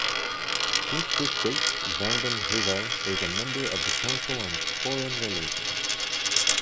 Since this date, vanden Heuvel is a member of the Council on Foreign Relations.